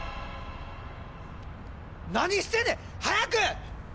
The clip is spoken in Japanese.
何してんねん！早く！